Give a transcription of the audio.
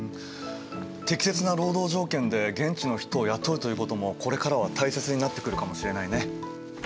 適切な労働条件で現地の人を雇うということもこれからは大切になってくるかもしれないね。